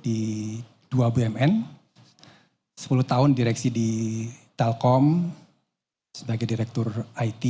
di dua bumn sepuluh tahun direksi di telkom sebagai direktur it